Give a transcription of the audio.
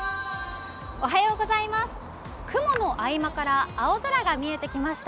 雲の合間から青空が見えてきました。